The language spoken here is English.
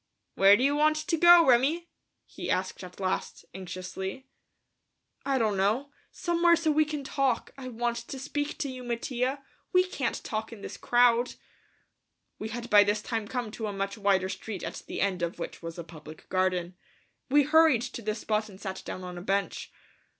"Where do you want to go, Remi?" he asked at last, anxiously. "I don't know. Somewhere so we can talk. I want to speak to you, Mattia. We can't talk in this crowd." We had by this time come to a much wider street at the end of which was a public garden. We hurried to this spot and sat down on a bench.